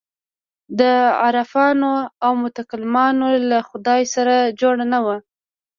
د عارفانو او متکلمانو له خدای سره جوړ نه وو.